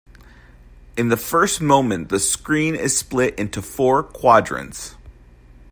In the first moment the screen is split into four quadrants.